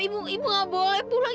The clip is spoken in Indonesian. ibu gak boleh pulang